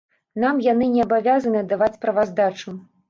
Нам яны не абавязаныя даваць справаздачу.